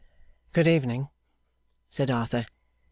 'Good evening,' said Arthur.